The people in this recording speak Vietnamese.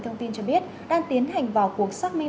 thông tin cho biết đang tiến hành vào cuộc xác minh